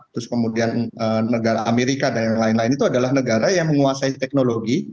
terus kemudian negara amerika dan lain lain itu adalah negara yang menguasai teknologi